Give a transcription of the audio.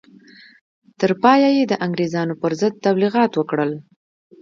تر پایه یې د انګرېزانو پر ضد تبلیغات وکړل.